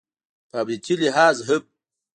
په امنیتي لحاظ هم